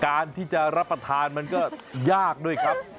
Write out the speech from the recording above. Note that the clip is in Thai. การที่จะรับประทานมันก็ยากด้วยครับ